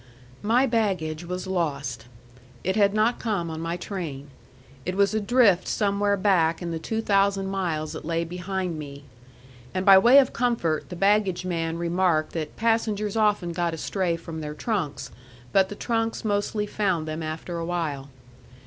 My baggage was lost; it had not come on my train; it was adrift somewhere back in the two thousand miles that lay behind me. And by way of comfort, the baggage man remarked that passengers often got astray from their trunks, but the trunks mostly found them after a while.